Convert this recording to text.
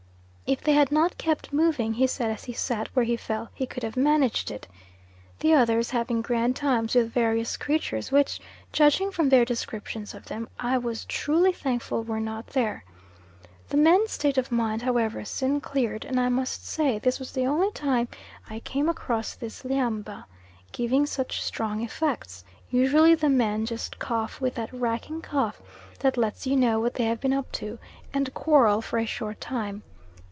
("If they had not kept moving," he said as he sat where he fell "he could have managed it") the others having grand times with various creatures, which, judging from their description of them, I was truly thankful were not there. The men's state of mind, however, soon cleared; and I must say this was the only time I came across this lhiamba giving such strong effects; usually the men just cough with that racking cough that lets you know what they have been up to, and quarrel for a short time.